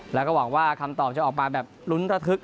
แล้วก็หวังว่าคำตอบจะออกมาแบบลุ้นระทึก